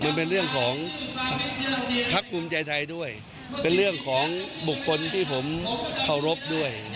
มันเป็นเรื่องของพักภูมิใจไทยด้วยเป็นเรื่องของบุคคลที่ผมเคารพด้วย